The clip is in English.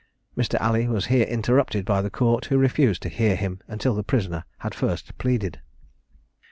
Mr. Alley was here interrupted by the court, who refused to hear him until the prisoner had first pleaded.